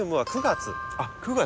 あっ９月。